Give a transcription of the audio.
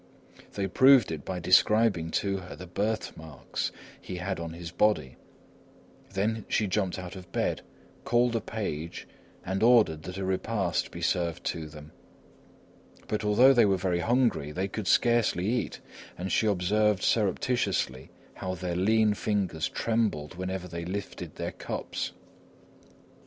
They proved it by describing to her the birthmarks he had on his body. Then she jumped out of bed, called a page, and ordered that a repast be served to them. But although they were very hungry, they could scarcely eat, and she observed surreptitiously how their lean fingers trembled whenever they lifted their cups.